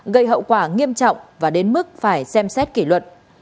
gây hậu quả nghiêm trọng và đến mức phải xem xét kỷ luật